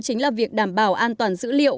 chính là việc đảm bảo an toàn dữ liệu